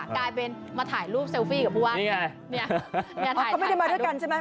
กลายเป็นมาถ่ายรูปเซลฟี่กับผู้ว่าไงเนี่ยถ้าเขาไม่ได้มาด้วยกันใช่ไหม